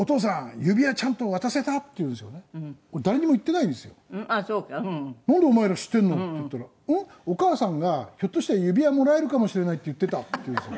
「なんでお前ら知ってるの？」って言ったら「お母さんがひょっとしたら指輪もらえるかもしれないって言ってた」って言うんですよ。